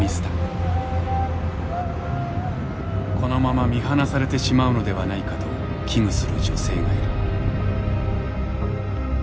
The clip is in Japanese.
このまま見放されてしまうのではないかと危惧する女性がいる。